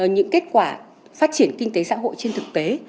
những kết quả phát triển kinh tế xã hội trên thực tế